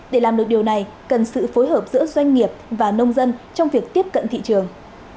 để làm được điều này cần sự phối hợp giữa doanh nghiệp và nông dân trong việc tiếp cận thị trường